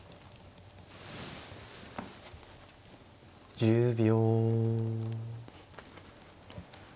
１０秒。